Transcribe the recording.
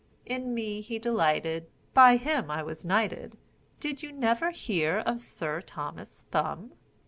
In me he delighted, By him I was knighted, Did you never hear of Sir Thomas Thumb?"